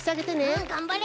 うんがんばれ！